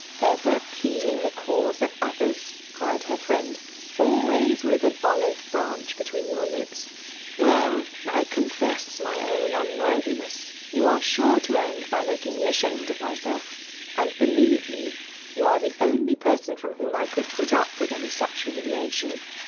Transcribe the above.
<< Ever pleading the cause of others," eried hear fiocand ;'' always with an olive branch be tween your lips! — Well! I confess my own unworthiness. You are sure to end by making me adamed of mysdf ;. and, faelievo mei, you ase the odLy person, from whom I could put up with any suck humiliation.